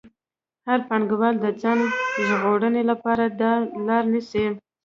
هر پانګوال د ځان ژغورنې لپاره دا لار نیسي